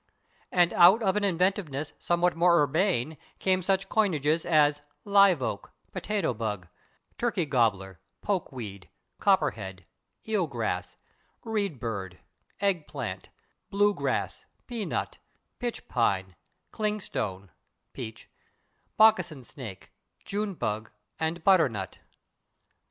And out of an inventiveness somewhat more urbane came such coinages as /live oak/, /potato bug/, /turkey gobbler/, /poke weed/, /copper head/, /eel grass/, /reed bird/, /egg plant/, /blue grass/, /pea nut/, /pitch pine/, /cling stone/ (peach), /moccasin snake/, /June bug/ and /butter nut